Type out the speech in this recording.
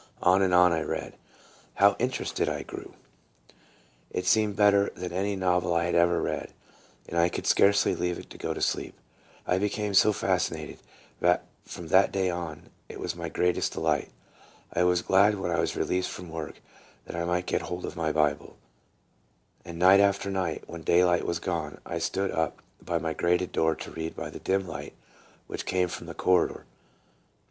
On and on I read. How interested I grew! It seemed better than any novel I had ever read, and I could scarcely leave it to go to sleep. I became so fascinated, that from that day on, it was my greatest delight. I was glad when I was released from work, that I might get hold of my Bible; and night after night, when daylight was gone, I stood up by my grated door to read by the dim light which came from the corridor.